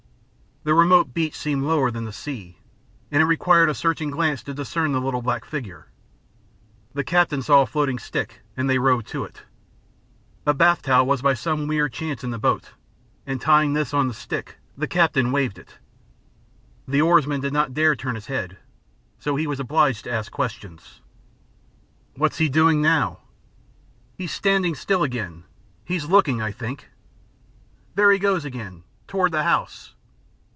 The remote beach seemed lower than the sea, and it required a searching glance to discern the little black figure. The captain saw a floating stick and they rowed to it. A bath towel was by some weird chance in the boat, and, tying this on the stick, the captain waved it. The oarsman did not dare turn his head, so he was obliged to ask questions. "What's he doing now?" "He's standing still again. He's looking, I think.... There he goes again. Toward the house....